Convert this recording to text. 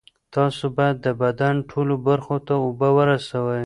تاسو باید د بدن ټولو برخو ته اوبه ورسوي.